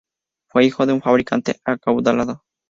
Fue hijo de un fabricante acaudalado.